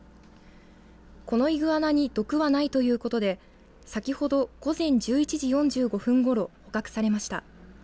このイグアナに毒はないということで先ほど午前１１時４５分ごろ捕獲されました。